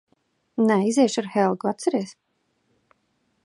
Nē. Iziešu ar Helgu, atceries?